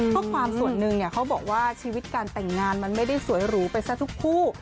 ข้อความส่วนหนึ่งเขาบอกว่าชีวิตการแต่งงานมันไม่ได้สวยหรูไปซะทุกคู่